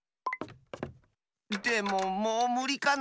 でももうむりかなあ？